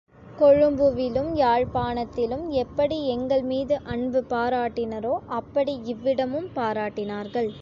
கொழும்புவிலும் யாழ்ப்பாணத்திலும் எப்படி எங்கள்மீது அன்பு பாராட்டினரோ அப்படி இவ்விடமும் பாராட்டினார்கள்.